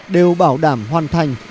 đều bảo đảm hoàn thành